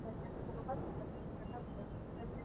جګړن: دی یو ښه زمري دی، جبار خان وویل: دی ښه زمري دی.